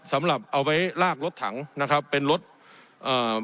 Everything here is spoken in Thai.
สำหรับเอาไว้ลากรถถังนะครับเป็นรถเอ่อ